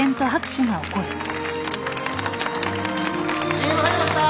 ＣＭ入りました。